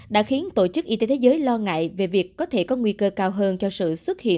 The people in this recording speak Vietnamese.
đã khiến tổ chức y tế thế giới lo ngại về việc có thể có nguy cơ cao hơn cho sự xuất hiện